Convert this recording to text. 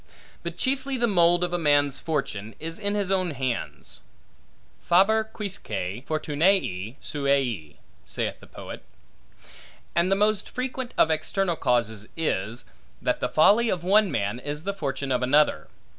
But chiefly, the mould of a man's fortune is in his own hands. Faber quisque fortunae suae, saith the poet. And the most frequent of external causes is, that the folly of one man, is the fortune of another.